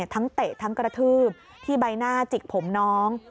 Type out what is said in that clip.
เตะทั้งกระทืบที่ใบหน้าจิกผมน้อง